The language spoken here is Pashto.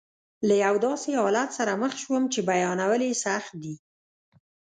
له یو داسې حالت سره مخ شوم چې بیانول یې سخت دي.